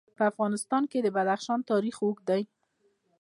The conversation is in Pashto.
په افغانستان کې د بدخشان تاریخ اوږد دی.